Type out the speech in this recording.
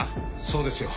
そうですよ。